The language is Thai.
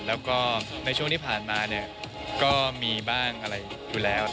แล้วก็ในช่วงที่ผ่านมาเนี่ยก็มีบ้างอะไรอยู่แล้ว